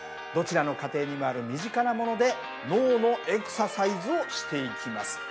どちらの家庭にもある身近なもので脳のエクササイズをしていきます。